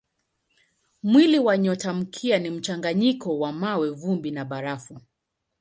Mwili wa nyotamkia ni mchanganyiko wa mawe, vumbi na barafu.